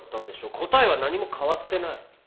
答えは何も変わってない。